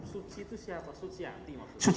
suci itu siapa suciati maksudnya